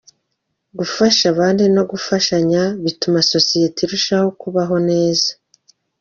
Gufasha abandi no gufashanya bituma sosiyete irushaho kubaho neza.